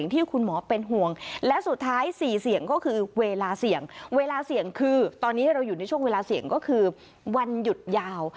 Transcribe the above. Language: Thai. ตอนนี้เราอยู่ในช่วงเวลาเสี่ยงก็คือวันหยุดยาว